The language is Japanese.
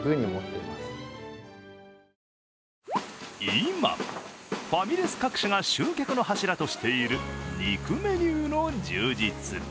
今、ファミレス各社が集客の柱としている肉メニューの充実。